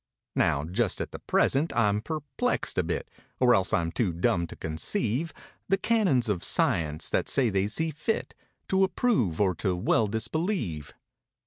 Now, just at the present, I'm perplexed a bit. Or else I'm too dumb to conceive, The canons of science, that say they see fit To approve or to well disbelieve.